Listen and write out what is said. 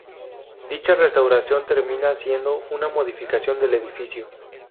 Dicha restauración terminaría siendo una modificación del edificio.